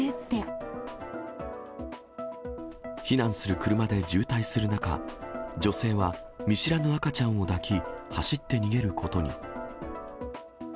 避難する車で渋滞する中、女性は見知らぬ赤ちゃんを抱き、走って逃げることに。